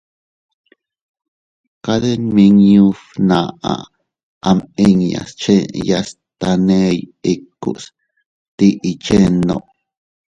Kade nmiñu fnaʼa am inñas scheyas taney ikus tiʼi chenno.